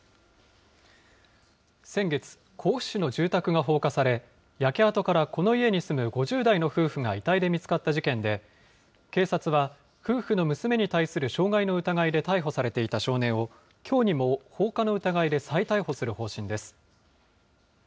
先月、甲府市の住宅が放火され、焼け跡からこの家に住む５０代の夫婦が遺体で見つかった事件で、警察は、夫婦の娘に対する傷害の疑いで逮捕されていた少年を、きょうにも放火の疑いで再逮捕する方針です。